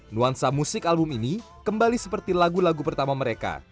nuansa musik album ini kembali seperti lagu lagu pertama mereka